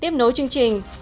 tiếp nối chương trình